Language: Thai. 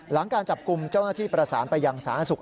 หลังการจับกลุ่มเจ้าหน้าที่ประสานไปยังสาธารณสุข